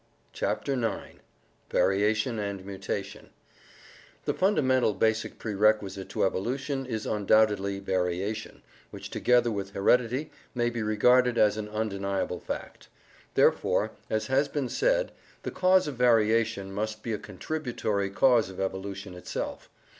CHAPTER IX Variation and Mutation The fundamental basic prerequisite to evolution is undoubtedly variation, which together with heredity may be regarded as an undeniable fact. Therefore, as has been said, the cause of varia tion must be a contributory cause of evolution itself.